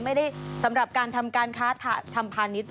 สำหรับการทำการค้าทำพาณิชย์